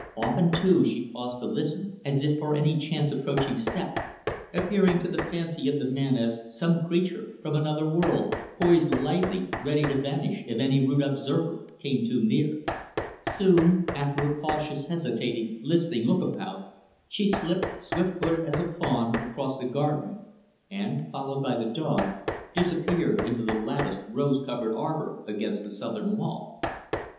Often, too, she paused to listen, as if for any chance approaching step appearing, to the fancy of the man, as some creature from another world poised lightly, ready to vanish if any rude observer came too near. Soon, after a cautious, hesitating, listening look about, she slipped, swift footed as a fawn, across the garden, and followed by the dog disappeared into the latticed rose covered arbor against the southern wall.